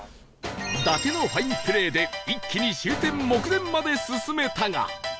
伊達のファインプレーで一気に終点目前まで進めたが